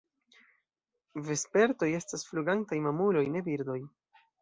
Vespertoj estas flugantaj mamuloj, ne birdoj.